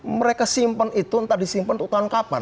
mereka simpen itu entah disimpen untuk tahun kapan